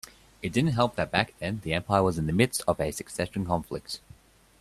It didn't help that back then the empire was in the midst of a succession conflict.